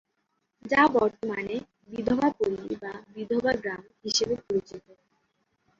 যা বর্তমানে "বিধবা পল্লী" বা "বিধবা গ্রাম" হিসেবে পরিচিত।